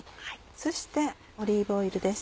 そしてオリーブオイルです。